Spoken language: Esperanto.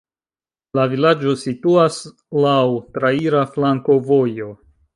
La vilaĝo situas laŭ traira flankovojo.